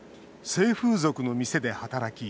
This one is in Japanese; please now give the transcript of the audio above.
性風俗の店で働き